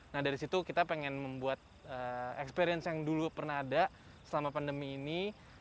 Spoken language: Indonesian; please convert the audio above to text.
nah dari situ kita pengen membuat experience yang dulu pernah ada selama pandemi ini